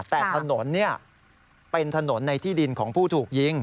แต่ถนนเป็นถนนในที่ดินของผู้ถูกยิง